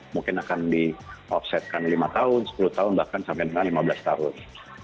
mungkin akan di offsetkan lima tahun sepuluh tahun bahkan sampai dengan lima belas tahun